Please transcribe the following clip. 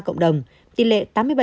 cộng đồng tỉ lệ tám mươi bảy năm